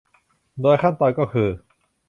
โดยขั้นตอนก็คือ